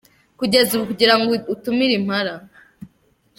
Kugeza ubu kugira ngo utumire Impala.